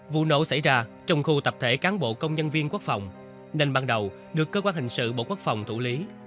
vụ nổ xảy ra trong khu tập thể cán bộ công nhân viên quốc phòng nên ban đầu được cơ quan hình sự bộ quốc phòng thủ lý